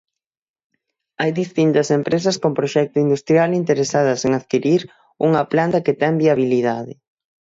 Hai distintas empresas con proxecto industrial interesadas en adquirir unha planta que ten viabilidade.